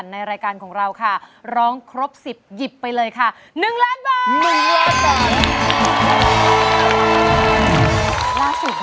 สนุนโดยอีซูซู